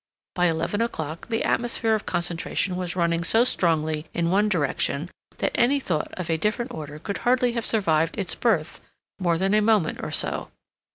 By eleven o'clock the atmosphere of concentration was running so strongly in one direction that any thought of a different order could hardly have survived its birth more than a moment or so.